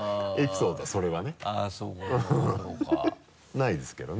ないですけどね。